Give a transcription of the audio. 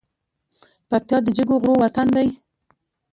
پکتيا د جګو غرو وطن دی